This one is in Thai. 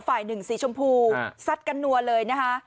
ฝ่ายหนึ่งสีชมพูซัดกันนัวเลยนะคะ